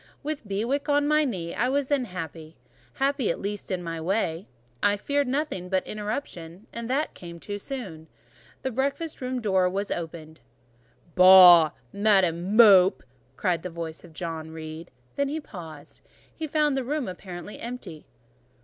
With Bewick on my knee, I was then happy: happy at least in my way. I feared nothing but interruption, and that came too soon. The breakfast room door opened. "Boh! Madam Mope!" cried the voice of John Reed; then he paused: he found the room apparently empty.